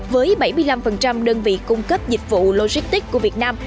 với bảy mươi năm đơn vị cung cấp dịch vụ logistics của việt nam